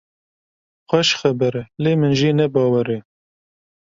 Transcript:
Xweş xeber e lê min jê ne bawer e.